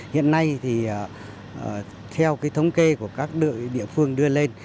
hiện nay thì theo cái thống kê của các đội địa phương đưa lên